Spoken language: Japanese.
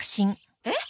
えっ？